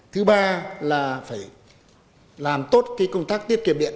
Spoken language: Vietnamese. thứ ba là phải làm tốt công tác tiết kiệm điện